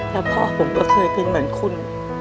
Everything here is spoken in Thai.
แล้วพ่อผมก็เคยเป็นเหมือนคุณ